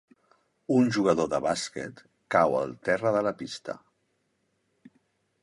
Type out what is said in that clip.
Un jugador de bàsquet cau al terra de la pista.